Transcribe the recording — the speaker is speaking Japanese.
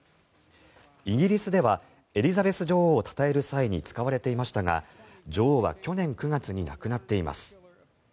イギリスではエリザベス女王をたたえる際に使われていましたが女王は去年９月に亡くなっています。